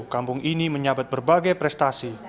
kampung ini menyabat berbagai prestasi